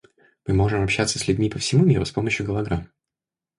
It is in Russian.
Мы можем общаться с людьми по всему миру с помощью голограмм.